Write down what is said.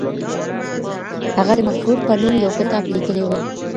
هغه د مفرور په نوم یو کتاب لیکلی و.